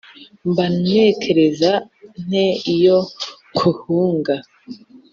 mba nekereza nte iyo nkuhunga?